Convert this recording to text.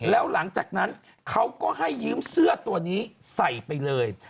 แล้วหลังจากนั้นเขาก็ให้ยืมเสื้อตัวนี้ใส่ไปเลย